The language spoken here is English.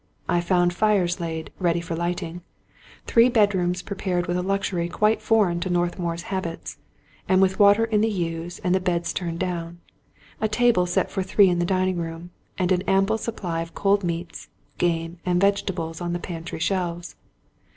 I found' fires laid, ready for lighting ; three bedrooms prepared with, a luxury quite foreign to Northmour's habits, and with water in the ewers and the beds turned down; a table set for three in the dining room ; and an ample supply of cold meats, game, and vegetables on the pantry shelves.